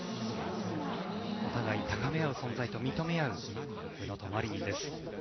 お互い高めあう存在と認め合う宇野とマリニンです。